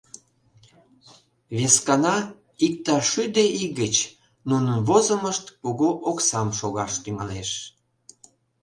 Вескана, иктаж шӱдӧ ий гыч, нунын возымышт кугу оксам шогаш тӱҥалеш.